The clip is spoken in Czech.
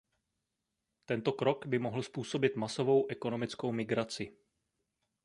Tento krok by mohl způsobit masovou ekonomickou migraci.